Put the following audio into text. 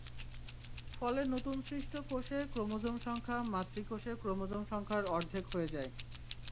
ফলে নতুন সৃষ্ট কোষে ক্রোমোসোম সংখ্যা মাতৃকোষের ক্রোমোসোম সংখ্যার অর্ধেক হয়ে যায়।